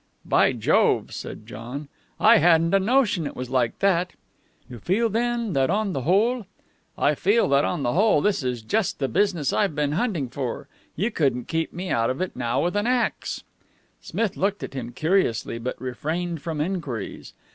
"By Jove!" said John. "I hadn't a notion it was like that." "You feel, then, that on the whole " "I feel that on the whole this is just the business I've been hunting for. You couldn't keep me out of it now with an ax." Smith looked at him curiously, but refrained from enquiries.